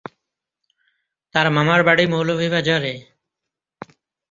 তার মামার বাড়ি মৌলভীবাজারে।